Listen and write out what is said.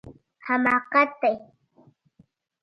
حماقت دی